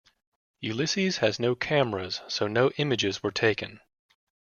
Ulysses has no cameras so no images were taken.